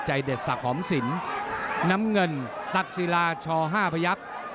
ใจเด็ดสะขอมสินน้ำเงินตักศิลาชอห้าพยับ